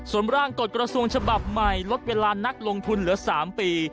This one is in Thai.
ส่วนร่างกฎกระทรวงฉบับใหม่ลดเวลานักลงทุนเหลือ๓ปี